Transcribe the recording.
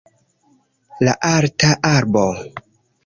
La alta arbo